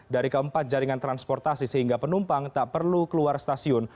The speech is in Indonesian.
dari keempat jaringan transportasi sehingga penumpang tak perlu keluar stasiun